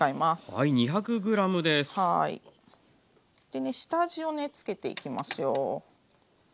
でね下味をつけていきますよ。